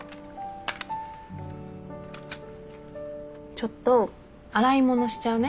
ちょっと洗い物しちゃうね。